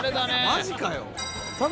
マジかよ。